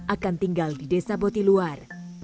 akan tinggal di desa boti luar